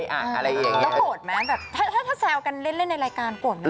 แล้วโกรธไหมแบบถ้าแซวกันเล่นในรายการโกรธนะ